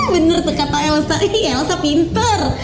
bener tuh kata yelza yelza pintar